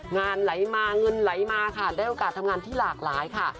งานไหลมาเงินไหลมาค่ะได้โอกาสทำงานที่หลากหลายค่ะ